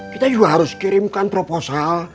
kita juga harus kirimkan proposal